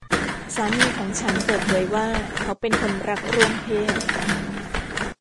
สามีของฉันเปิดเผยว่าเขาเป็นคนรักร่วมเพศ